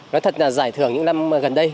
nói thật là giải thưởng những năm gần đây